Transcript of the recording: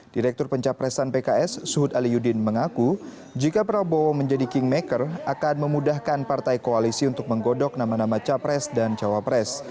direktur pencapresan pks suhut ali yudin mengaku jika prabowo menjadi kingmaker akan memudahkan partai koalisi untuk menggodok nama nama capres dan cawapres